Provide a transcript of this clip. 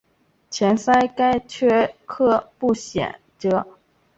前鳃盖缺刻不显着。